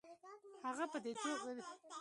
هغه په دې توګه د اورېدو هڅه کوي.